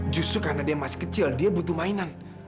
justru karena dia masih kecil dia butuh mainan